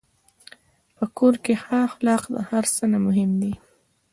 په کور کې ښه اخلاق د هر څه نه مهم دي.